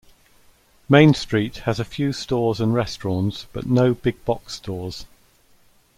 Main Street has a few stores and restaurants but no big-box stores.